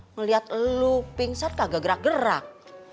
ngelihat lu pingsan kagak gerak gerak